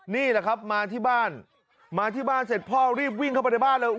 นี่แหละครับมาที่บ้านมาที่บ้านเสร็จพ่อรีบวิ่งเข้าไปในบ้านเลย